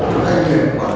có thể không